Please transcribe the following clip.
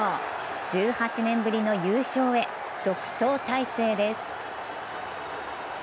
１８年ぶりの優勝へ独走態勢です。